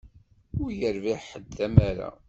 Ur irbiḥ ḥedd tamara.